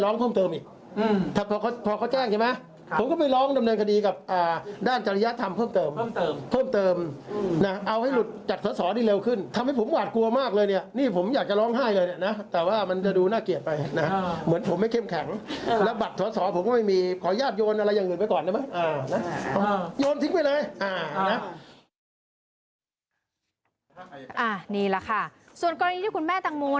นี่แหละค่ะส่วนกรณีที่คุณแม่ตังโม